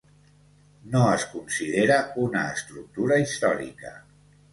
No es considera una estructura històrica.